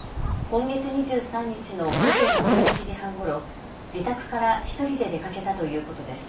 今月２３日の午前１１時半ごろ自宅から１人で出かけたということです。